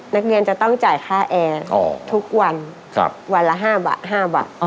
นักเรียนจะต้องจ่ายค่าแอร์ทุกวันวันละ๕บาท